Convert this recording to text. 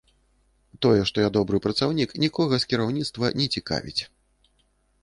Тое, што я добры працаўнік, нікога з кіраўніцтва не цікавіць.